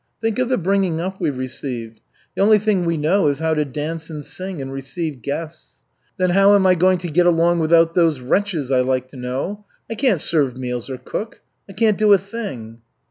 Think of the bringing up we received. The only thing we know is how to dance and sing and receive guests. Then how am I going to get along without those wretches, I'd like to know. I can't serve meals or cook. I can't do a thing."